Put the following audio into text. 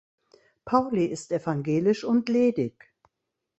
Pauly ist evangelisch und ledig.